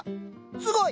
すごい！